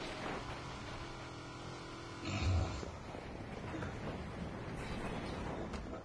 د مرکزي اسیا له یادو